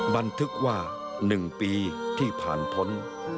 บันทึกว่า๑ปีที่ผ่านพ้น